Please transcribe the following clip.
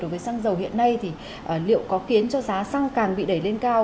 đối với xăng dầu hiện nay thì liệu có khiến cho giá xăng càng bị đẩy lên cao